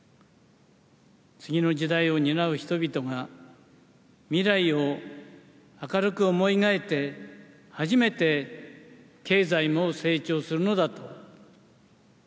次の時代を担う人々が、未来を明るく思い描いて、初めて経済も成長するのだと。